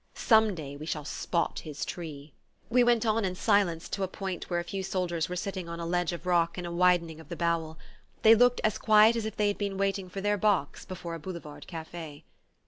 Some day we shall spot his tree." We went on in silence to a point where a few soldiers were sitting on a ledge of rock in a widening of the "bowel." They looked as quiet as if they had been waiting for their bocks before a Boulevard cafe.